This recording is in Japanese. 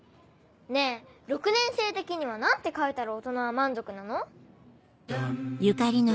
ねぇ６年生的には何て書いたら大人は満足なの？